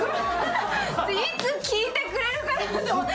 いつ聞いてくれるかなと。